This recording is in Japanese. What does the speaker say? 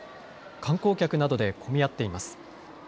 観光客などで混み合っています。